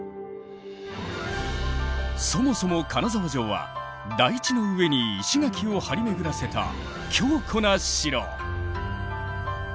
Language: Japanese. そもそも金沢城は台地の上に石垣を張り巡らせた強固な城。